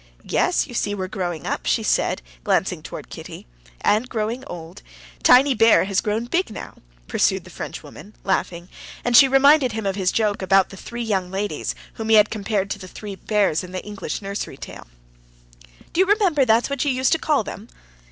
"Yes, you see we're growing up," she said to him, glancing towards Kitty, "and growing old. Tiny bear has grown big now!" pursued the Frenchwoman, laughing, and she reminded him of his joke about the three young ladies whom he had compared to the three bears in the English nursery tale. "Do you remember that's what you used to call them?"